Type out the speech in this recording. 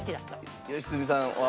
さあ良純さんは。